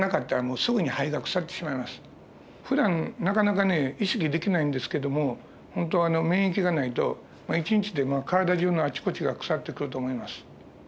ふだんなかなかね意識できないんですけども本当免疫がないと一日で体中のあちこちが腐ってくると思います。